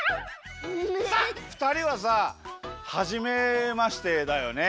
さあふたりはさはじめましてだよね。